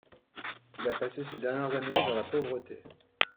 Il a passé ses dernières années dans la pauvreté.